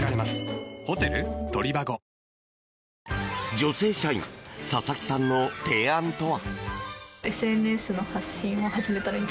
女性社員佐々木さんの提案とは？